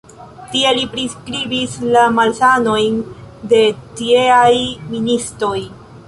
Tie li priskribis la malsanojn de tieaj ministoj.